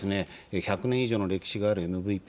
１００年以上の歴史があるＭＶＰ。